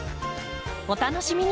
お楽しみに！